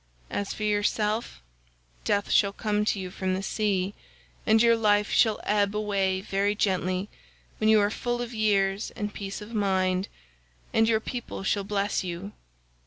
As for yourself, death shall come to you from the sea, and your life shall ebb away very gently when you are full of years and peace of mind, and your people shall bless you.